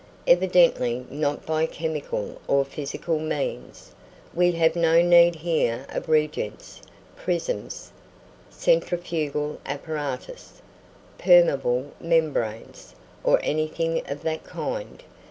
Evidently not by chemical or physical means: we have no need here of reagents, prisms, centrifugal apparatus, permeable membranes, or anything of that kind.